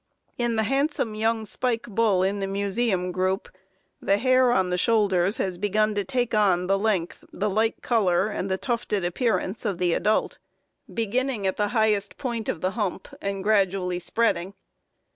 In the handsome young "spike" bull in the Museum group, the hair on the shoulders has begun to take on the length, the light color, and tufted appearance of the adult, beginning at the highest point of the hump and gradually spreading.